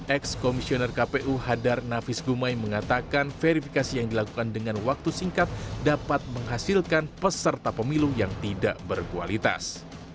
ex komisioner kpu hadar nafis gumai mengatakan verifikasi yang dilakukan dengan waktu singkat dapat menghasilkan peserta pemilu yang tidak berkualitas